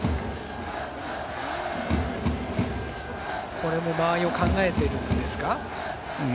これも間合いも考えているんですか？